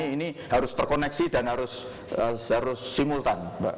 ini harus terkoneksi dan harus simultan